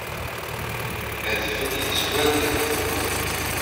Adfel yezwar-d ageffur.